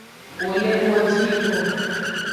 Wo le moji yiko.